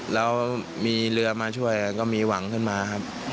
แล้วมีเรือมาช่วยก็มีหวังขึ้นมาครับ